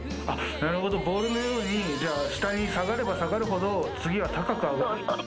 なるほど、ボールのように、じゃあ、下に下がれば下がるほど、次は高く上がると。